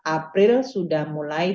empat april sudah mulai